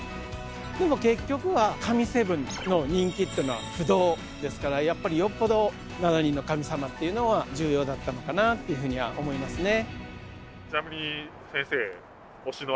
でも結局は神７の人気というのは不動ですからやっぱりよっぽど７人の神様っていうのは重要だったのかなっていうふうには思いますね。